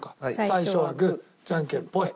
最初はグーじゃんけんぽい！